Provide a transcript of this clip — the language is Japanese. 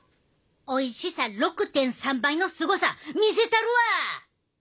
おいしさ６．３倍のすごさ見せたるわ！